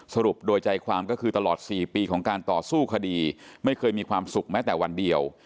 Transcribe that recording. สรุปโดยใจความก็คือตลอด๔ปีของการต่อสู้คดีไม่เคยมีความสุขแม้แต่วันเดียว